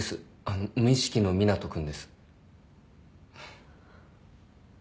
あの無意識の湊斗君です。